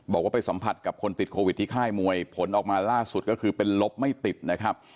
บอกว่าไปสัมผัสกับคนติดโควิดที่ค่ายมวยผลออกมาล่าสุดก็คือเป็นลบไม่ติดนะครับ